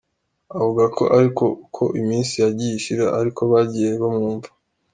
Avuga ko ariko uko iminsi yagiye ishira ariko bagiye bamwumva.